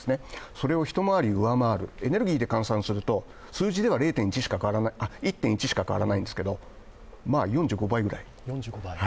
それを一回り上回るエネルギーで換算すると、数字では１．１しか変わらないんですが、４５倍ぐらい。